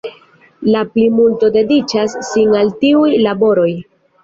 La plimulto dediĉas sin al tiuj laboroj.